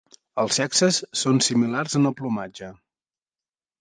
Els sexes són similars en el plomatge.